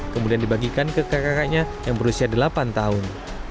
kemudian dibagikan ke kakak kakaknya yang berusia delapan tahun